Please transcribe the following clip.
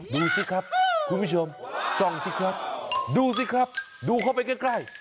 ดูสิครับคุณผู้ชมส่องสิครับดูสิครับดูเข้าไปใกล้